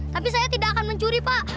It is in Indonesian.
tapi saya tidak akan mencuri pak